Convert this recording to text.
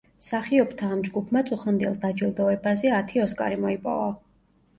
მსახიობთა ამ ჯგუფმა წუხანდელ დაჯილდოებაზე ათი ოსკარი მოიპოვა.